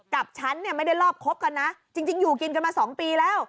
กับฉันเนี่ยไม่ได้รอบคบกันนะจริงอยู่กินกันมา๒ปีแล้ว